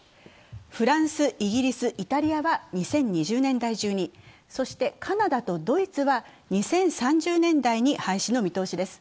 フランス、イギリス、イタリアは２０２０年代中に、そしてカナダとドイツは２０３０年代に廃止の見通しです。